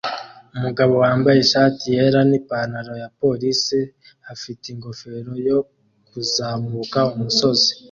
Umugabo wambaye ishati yera nipantaro ya Policei afite ingofero yo kuzamuka umusozi